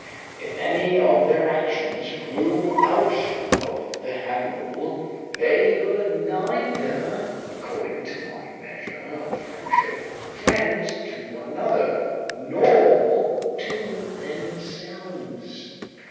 If any of their actions flew out of the handle, they were neither (according to my measure of friendship) friends to one another, nor to themselves.